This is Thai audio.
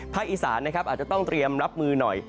พระอีสานอาจจะต้องเตรียมลับมือหน่อย